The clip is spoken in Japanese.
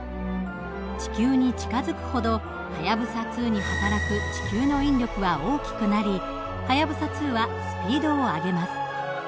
地球に近づくほどはやぶさ２にはたらく地球の引力は大きくなりはやぶさ２はスピードを上げます。